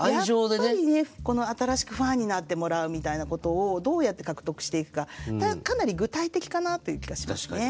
やっぱりね新しくファンになってもらうみたいなことをどうやって獲得していくかかなり具体的かなという気がしますね。